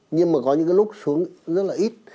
nhưng mà có những cái lúc xuống rất là ít